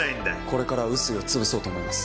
これから碓井を潰そうと思います。